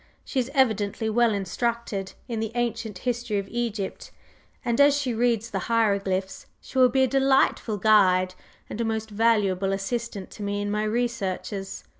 She is evidently well instructed in the ancient history of Egypt, and, as she reads the hieroglyphs, she will be a delightful guide and a most valuable assistant to me in my researches."